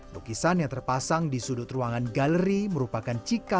lukisan yang terpasang di sudut ruangan galeri menunjukkan keuntungan dan keuntungan